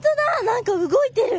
何か動いてる！